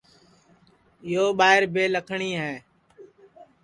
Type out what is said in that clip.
یو ٻائیر بے لکھٹؔی ہے